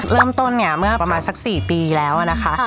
เริ่มต้นเนี่ยเมื่อประมาณสัก๔ปีแล้วนะคะ